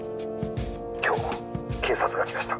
「今日警察が来ました」